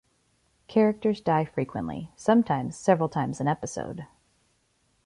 Characters die frequently, sometimes several times an episode.